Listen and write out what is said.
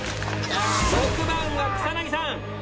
６番は草薙さん。